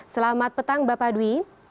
selamat petang bapak dwi